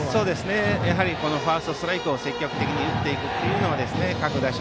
ファーストストライクを積極的に打っていくのは各打者